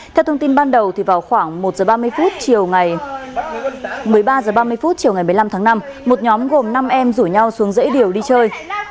theo thông tin ban đầu thì vào khoảng một mươi ba h ba mươi chiều ngày một mươi năm tháng năm một nhóm gồm năm em rủ nhau xuống rễ điều đi chơi